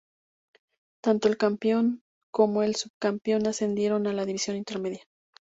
Tanto el campeón como el subcampeón ascendieron a la División Intermedia.